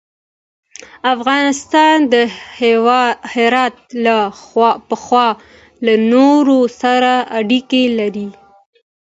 افغانستان د هرات له پلوه له نورو سره اړیکې لري.